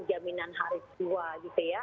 jaminan haris dua gitu ya